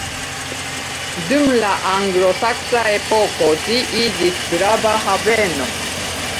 Dum la anglosaksa epoko ĝi iĝis grava haveno.